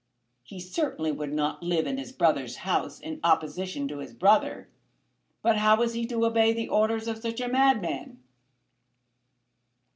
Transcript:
He certainly would not live in his brother's house in opposition to his brother. But how was he to obey the orders of such a madman?